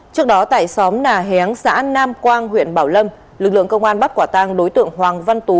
trước đó tại xóm nà héng xã nam quang huyện bảo lâm lực lượng công an bắt quả tang đối tượng hoàng văn tú